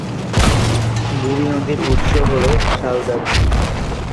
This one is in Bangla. বুড়ি নদীর উৎস হল সালদা নদী।